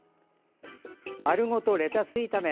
まるごとレタス炒め